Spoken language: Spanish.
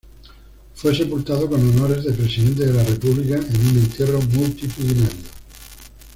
Fue sepultado con honores de Presidente de la República en un entierro multitudinario.